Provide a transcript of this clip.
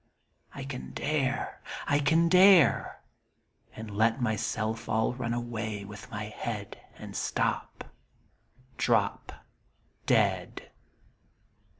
I can dare, I can dare ! And let myself all run away witli my head, And stop. Drop Dead.